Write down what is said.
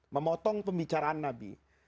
memotong pembicaraan nabi